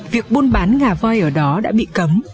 việc buôn bán ngà voi ở đó đã bị cấm